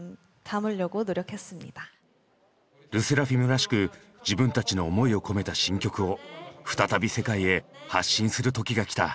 ＬＥＳＳＥＲＡＦＩＭらしく自分たちの思いを込めた新曲を再び世界へ発信する時が来た。